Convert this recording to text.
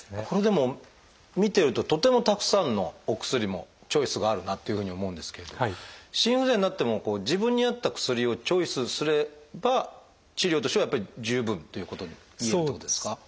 これでも見てるととてもたくさんのお薬もチョイスがあるなというふうに思うんですけれど心不全になっても自分に合った薬をチョイスすれば治療としてはやっぱり十分ということをいえるってことですか？